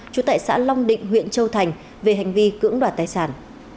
trú tại xã long định huyện châu thành về hành vi cưỡng đoạt tài sản